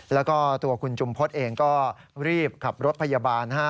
แล้วก็ตัวคุณจุมพฤษเองก็รีบขับรถพยาบาลนะฮะ